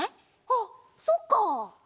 あっそっか。